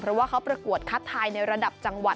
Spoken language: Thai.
เพราะว่าเขาประกวดคัดทายในระดับจังหวัด